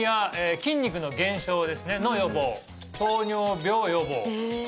筋肉の減少ですねの予防糖尿病予防へえ